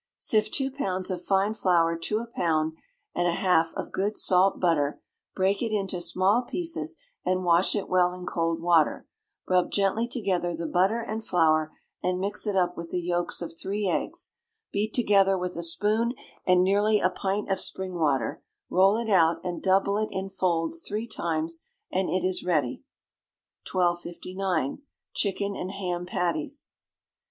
Sift two pounds of fine flour to a pound and a half of good salt butter, break it into small pieces, and wash it well in cold water; rub gently together the butter and flour, and mix it up with the yolks of three eggs, beat together with a spoon, and nearly a pint of spring water; roll it out, and double it in folds three times, and it is ready. 1259. Chicken and Ham Patties.